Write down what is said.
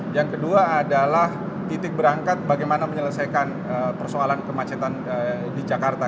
yang kedua adalah titik berangkat bagaimana menyelesaikan persoalan kemacetan di jakarta